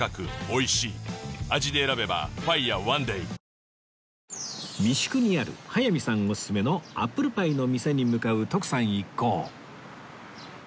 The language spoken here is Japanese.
味で選べば「ＦＩＲＥＯＮＥＤＡＹ」三宿にある早見さんおすすめのアップルパイの店に向かう徳さん一行